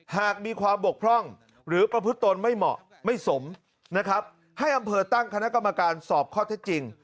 หากมีความบกพร่องหรือประพฤตนไม่เหมาะไม่สมนะครับให้อำเภอตั้งคณะกรรมการสอบข้อเท็จจริง